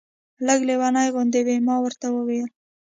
لږ لېونۍ غوندې وې. ما ورته وویل.